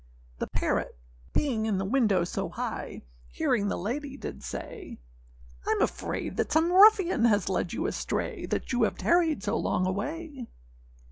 The parrot being in the window so high, Hearing the lady, did say, âIâm afraid that some ruffian has led you astray, That you have tarried so long away.